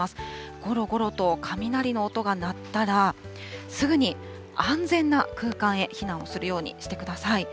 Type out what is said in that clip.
ごろごろと雷の音が鳴ったら、すぐに安全な空間へ避難をするようにしてください。